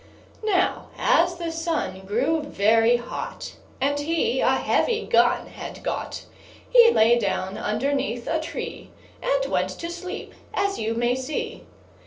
Now, as the sun grew very hot, And he a heavy gun had got, He lay down underneath a tree And went to sleep, as you may see.